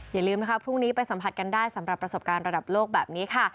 อย่าลืมนะคะพรุ่งนี้ไปสัมผัสกันได้สำหรับประสบการณ์ระดับโลกแบบนี้ค่ะ